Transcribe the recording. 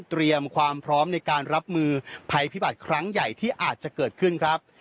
เตรียมความพร้อมในการรับมือภัยพิบัติครั้งใหญ่ที่อาจจะเกิดขึ้นครับ